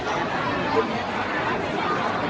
การรับความรักมันเป็นอย่างไร